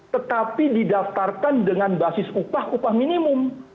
tetapi didaftarkan dengan basis upah upah minimum